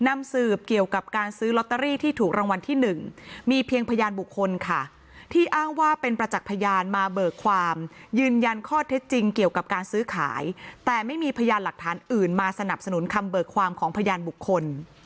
มีเพียงพยานบุคคลค่ะที่อ้างว่าเป็นประจักษ์พยานมาเบิกความยืนยันข้อเท็จจริงเกี่ยวกับการซื้อขายแต่ไม่มีพยานหลักฐานอื่นมาสนับสนุนคำเบิกความของพยานบุคคล